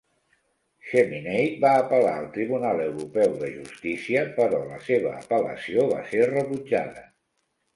Cheminade va apel·lar al Tribunal Europeu de Justícia, però la seva apel·lació va ser rebutjada.